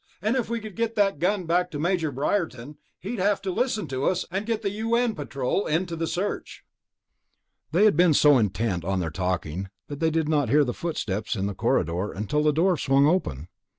And if we could get that gun back to Major Briarton, he'd have to listen to us, and get the U.N. Patrol into the search...." They had been so intent on their talking that they did not hear the footsteps in the corridor until the door swung open.